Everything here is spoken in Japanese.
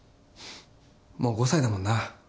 もう５歳だもんな。